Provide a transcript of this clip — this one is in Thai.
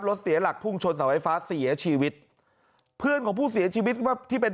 เสียหลักพุ่งชนเสาไฟฟ้าเสียชีวิตเพื่อนของผู้เสียชีวิตว่าที่เป็น